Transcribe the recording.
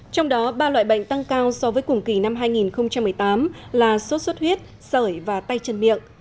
trong đó ba loại bệnh tăng cao so với cùng kỳ năm hai nghìn một mươi tám là sốt xuất huyết sởi và tay chân miệng